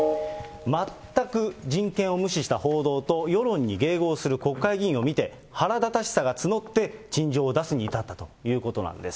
全く人権を無視した報道と、世論に迎合する国会議員を見て、腹立たしさが募って陳情を出すに至ったということなんです。